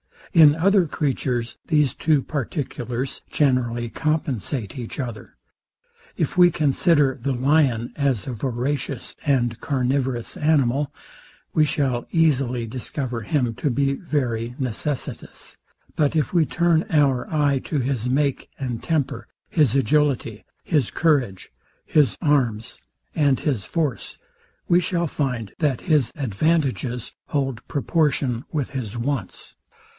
In other creatures these two particulars generally compensate each other. If we consider the lion as a voracious and carnivorous animal, we shall easily discover him to be very necessitous; but if we turn our eye to his make and temper, his agility, his courage, his arms, and his force, we shall find, that his advantages hold proportion with his wants.